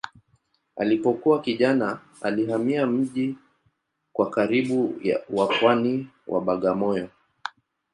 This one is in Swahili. Alipokuwa kijana alihamia mji wa karibu wa pwani wa Bagamoyo.